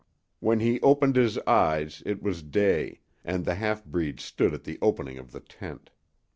When he opened his eyes it was day, and the half breed stood at the opening of the tent.